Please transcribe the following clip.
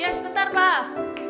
iya sebentar pak